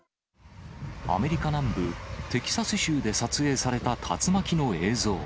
アメリカ南部、テキサス州で撮影された竜巻の映像。